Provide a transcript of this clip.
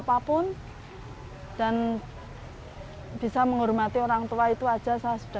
dan saya sudah cukup untuk menghormati orang tua